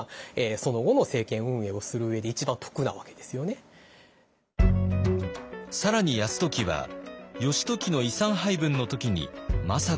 更に泰時は義時の遺産配分の時に政子を驚かせます。